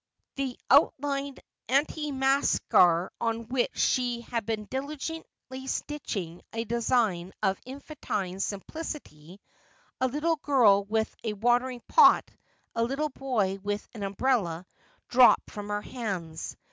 The outline antimacassar on which she had been diligently stitching a design of infantine simplicity — a little girl with a watering pot, a little boy with an umbrella — dropped from her hands.